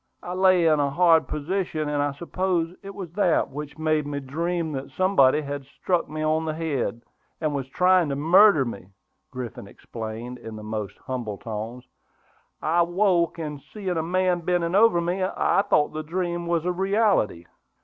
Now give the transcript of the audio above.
I lay in a hard position, and I suppose it was that which made me dream that somebody had struck me on the head, and was trying to murder me," Griffin explained, in the most humble tones. "I woke, and seeing a man bending over me, I thought the dream was a reality."